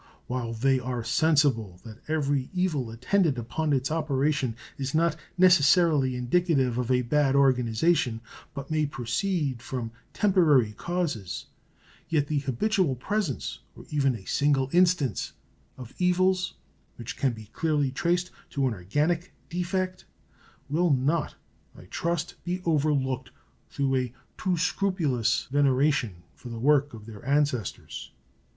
While they are sensible that every evil attendant upon its operation is not necessarily indicative of a bad organization, but may proceed from temporary causes, yet the habitual presence, or even a single instance, of evils which can be clearly traced to an organic defect will not, I trust, be over looked through a too scrupulous veneration for the work of their ancestors.